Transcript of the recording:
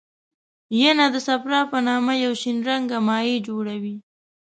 ینه د صفرا په نامه یو شین رنګه مایع جوړوي.